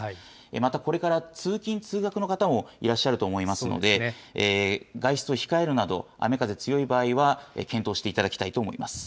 また、これから通勤・通学の方もいらっしゃると思いますので、外出を控えるなど、雨風強い場合は、検討していただきたいと思います。